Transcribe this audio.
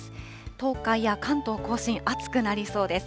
東海や関東甲信、暑くなりそうです。